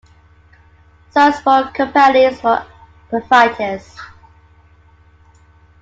Some small companies were privatised.